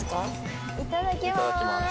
いただきまーす。